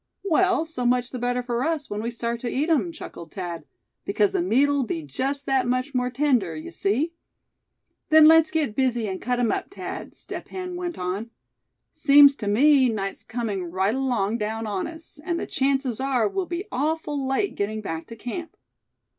"Well so much the better for us, when we start to eat him," chuckled Thad; "because the meat'll be just that much more tender, you see." "Then let's get busy, and cut him up, Thad," Step Hen went on. "Seems to me night's coming right along down on us; and the chances are we'll be awful late getting back to camp."